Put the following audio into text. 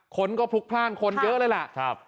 คนก็พลุกพล่างคนเยอะเลยแหละ